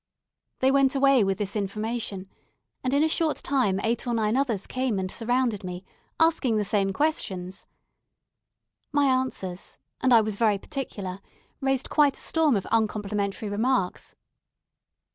They went away with this information; and in a short time eight or nine others came and surrounded me, asking the same questions. My answers and I was very particular raised quite a storm of uncomplimentary remarks.